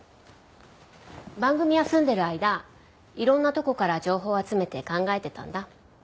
番組休んでる間いろんなとこから情報集めて考えてたんだ。